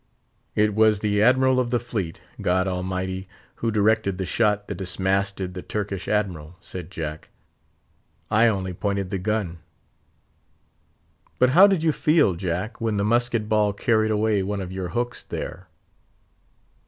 "It was the Admiral of the fleet—God Almighty—who directed the shot that dismasted the Turkish Admiral," said Jack; "I only pointed the gun." "But how did you feel, Jack, when the musket ball carried away one of your hooks there?"